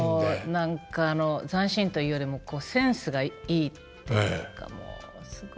何かあの斬新というよりもセンスがいいっていうかもうすごく。